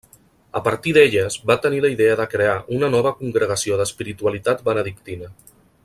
A partir d'elles, va tenir la idea de crear una nova congregació d'espiritualitat benedictina.